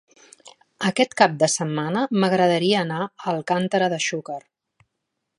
Aquest cap de setmana m'agradaria anar a Alcàntera de Xúquer.